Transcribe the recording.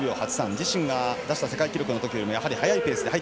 自身が出した世界記録よりも速いペース。